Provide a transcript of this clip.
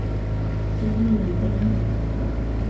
Tahi ni ndege munene sana